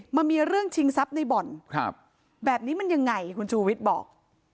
มันมีเรื่องชิงทรัพย์ในบ่อนครับแบบนี้มันยังไงคุณชูวิทย์บอก